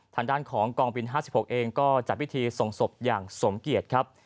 ทางด้านของกองบิน๕๖เองก็จัดพิธีส่งศพอย่างสมเกียจครับ